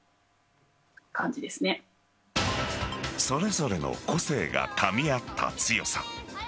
それぞれの個性がかみ合った強さ。